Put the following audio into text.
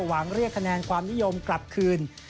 หวังเรียกคะแนนความนิยมกลับคืน